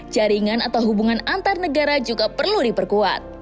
jaringan atau hubungan antar negara juga perlu diperkuat